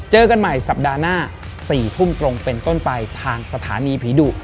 เจอกันใหม่สัปดาห์หน้า๔ทุ่มตรงเป็นต้นไปทางสถานีผีดุ